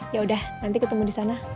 yaudah nanti ketemu di sana